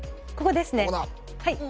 ここですね。